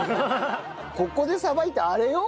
ここでさばいたあれよ？